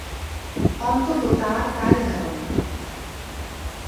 অন্তত তাঁর তাই ধারণা।